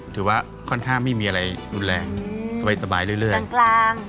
ถือว่าค่อนข้างไม่มีอะไรอุ่นแรงอืมสบายสบายเรื่อยเรื่อยดังกลาง